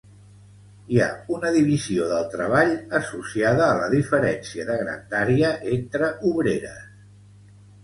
Hi ha una divisió del treball associada a la diferència de grandària entre obreres.